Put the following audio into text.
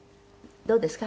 「どうですか？